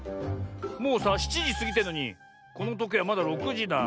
もうさ７じすぎてんのにこのとけいまだ６じだ。